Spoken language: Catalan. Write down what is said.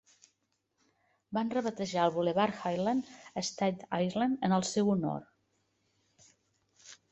Van rebatejar el bulevard Hylan a Staten Island en el seu honor.